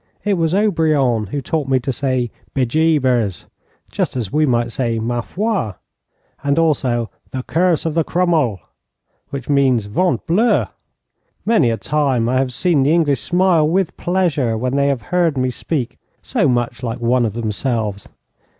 It was Obriant who taught me to say 'Be jabers,' just as we might say 'Ma foi'; and also 'The curse of Crummle!' which means 'Ventre bleu!' Many a time I have seen the English smile with pleasure when they have heard me speak so much like one of themselves.